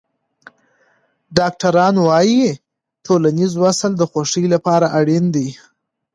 ډاکټران وايي ټولنیز وصل د خوښۍ لپاره اړین دی.